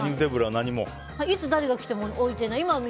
いつ、誰が来ても置いてない。